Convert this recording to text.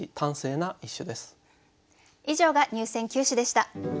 以上が入選九首でした。